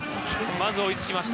まず追いつきました。